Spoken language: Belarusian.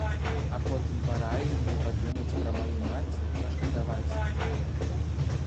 А потым параіў мне падумаць пра маю маці, пашкадаваць яе.